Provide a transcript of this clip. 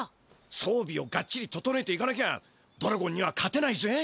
そうびをがっちり整えていかなきゃドラゴンには勝てないぜ。